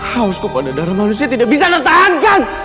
hausku pada darah manusia tidak bisa tertahankan